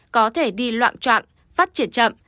có thể đi loạn trọng phát triển chậm